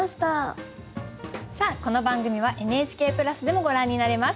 さあこの番組は「ＮＨＫプラス」でもご覧になれます。